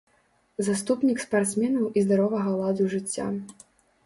Заступнік спартсменаў і здаровага ладу жыцця.